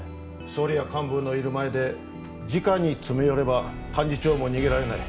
総理や幹部のいる前でじかに詰め寄れば幹事長も逃げられない。